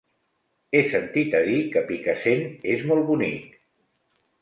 He sentit a dir que Picassent és molt bonic.